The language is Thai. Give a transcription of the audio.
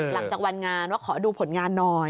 หลังจากวันงานว่าขอดูผลงานหน่อย